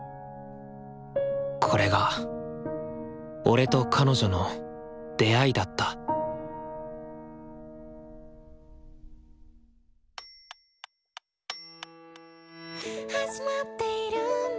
これが俺と彼女の出会いだった「始まっているんだ